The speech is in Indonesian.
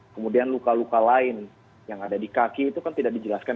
kemudian luka luka lain yang ada di kaki itu kan tidak dijelaskan